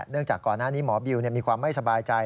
จากก่อนหน้านี้หมอบิวมีความไม่สบายใจ